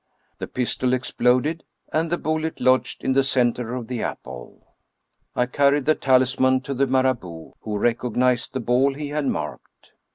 The pistol exploded, and the bullet lodged in the center of the apple. I carried the talisman to the Marabout, who recognized the ball he had marked.